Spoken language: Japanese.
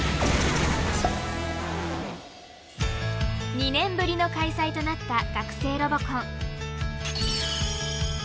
２年ぶりの開催となった学生ロボコン。